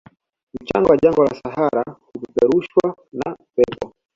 Mchanga wa jangwa la sahara hupeperushwa na upepo